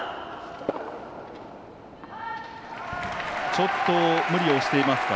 ちょっと、無理をしていますか？